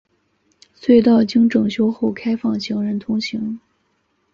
隧道经整修后开放行人通行。